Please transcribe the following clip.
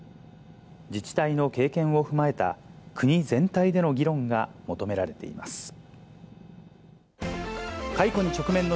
自治体の経験を踏まえた、国全体での議論が求められています。